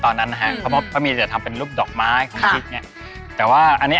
ก็ติ๊กในแต่ละเรียงมัน